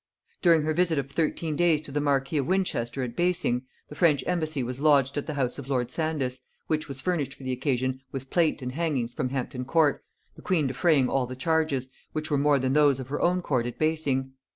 During her visit of thirteen days to the marquis of Winchester at Basing, the French embassy was lodged at the house of lord Sandys, which was furnished for the occasion with plate and hangings from Hampton court; the queen defraying all the charges, which were more than those of her own court at Basing.